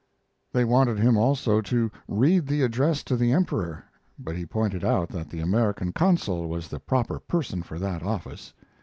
They wanted him also to read the address to the Emperor, but he pointed out that the American consul was the proper person for that office.